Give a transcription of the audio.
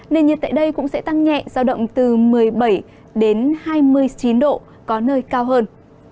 nền nhiệt tại đây cũng sẽ tăng nhẹ giao động từ một mươi bảy đến hai mươi chín độ có nơi cao hơn